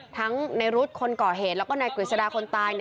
ทั้งในรุดคนก่อเหตุแล้วก็ในกริสดาคนตาย